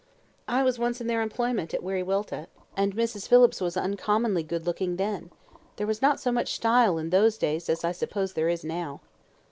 "I was once in their employment at Wiriwilta, and Mrs. Phillips was uncommonly good looking then. There was not so much style in those days as I suppose there is now."